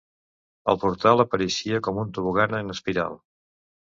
El portal apareixia com un tobogan en espiral.